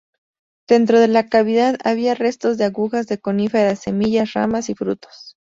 Dentro de la cavidad había restos de agujas de coníferas, semillas, ramas y frutos.